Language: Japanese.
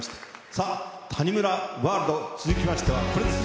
さあ、谷村ワールド、続きましてはこれです。